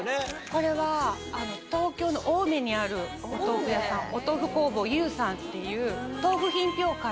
これは東京の青梅にあるお豆腐屋さん「とうふ工房ゆう」さんっていう。